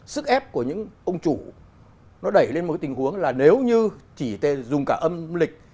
sức ép của những ông chủ nó đẩy lên một tình huống là nếu như chỉ dùng cả âm lịch